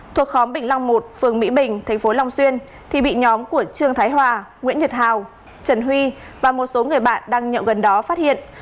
thuộc khóm bình long một phường mỹ bình tp long xuyên thì bị nhóm của trương thái hòa nguyễn nhật hào trần huy và một số người bạn đang nhậu gần đó phát hiện